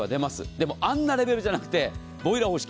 でもあんなレベルじゃなくてボイラー方式。